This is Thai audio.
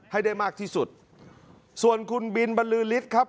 ให้ได้มากที่สุดส่วนคุณบินบรรลือฤทธิ์ครับ